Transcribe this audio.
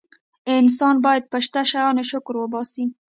انسان باید په شته شیانو شکر وباسي.